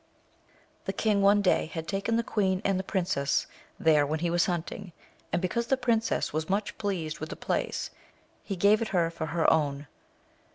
The king one day had taken the queen and princess there when he was hunting, and because the princess was much pleased with the place, he gave it her for her own.